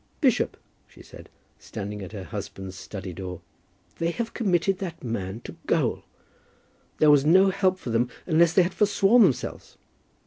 "Bishop," she said, standing at her husband's study door. "They have committed that man to gaol. There was no help for them unless they had forsworn themselves."